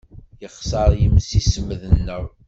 Yexṣer yemsismeḍ-nneɣ.